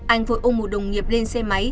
anh vội ôm một đồng nghiệp lên xe máy